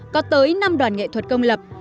có tới năm đoàn nghệ thuật công lập